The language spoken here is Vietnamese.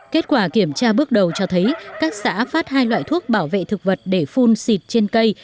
kết quả kiểm tra bước đầu cho thấy các xã phát hai loại thuốc bảo vệ thực vật để phun xịt trên cây